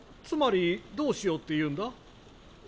つまりどうしようっていうんだ？